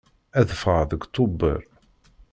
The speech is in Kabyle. Ad ffɣeɣ deg Tubeṛ.